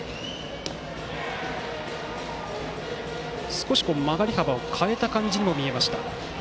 少し曲がり幅を変えた感じにも見えました。